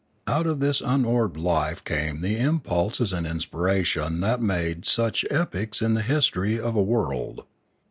Out of this unorbed life came the impulses and inspira tions that made such epochs in the history of a world.